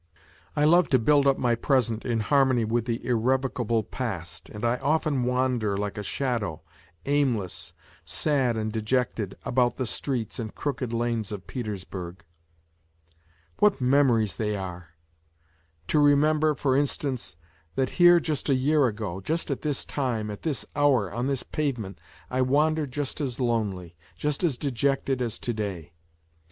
I love to build up my present in harmony with the irrevocable past, and I often wander like a shadow, aim less, sad and dejected, about the streets and crooked lanes of Petersburg. What memories they are ! To remember, for instance, that here just a year ago, just at this time, at this hour, on this pavement, I wandered just as lonely, just as dejected as to day.